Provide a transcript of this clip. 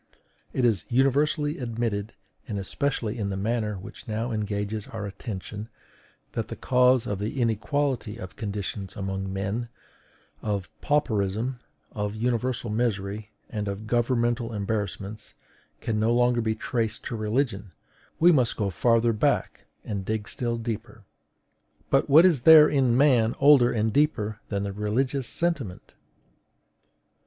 It is universally admitted, and especially in the matter which now engages our attention, that the cause of the inequality of conditions among men of pauperism, of universal misery, and of governmental embarrassments can no longer be traced to religion: we must go farther back, and dig still deeper. But what is there in man older and deeper than the religious sentiment?